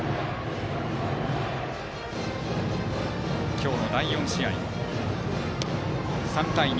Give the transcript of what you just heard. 今日の第４試合、３対２。